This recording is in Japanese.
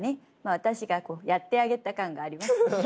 私がやってあげた感があります。